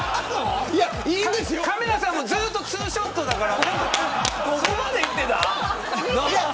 カメラさんもずっとツーショットだから。